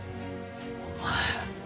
お前。